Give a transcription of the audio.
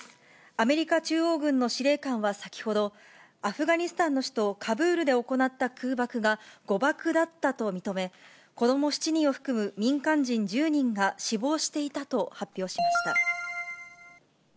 アメリカ中央軍の司令官は先ほど、アフガニスタンの首都カブールで行った空爆が誤爆だったと認め、子ども７人を含む民間人１０人が死亡していたと発表しました。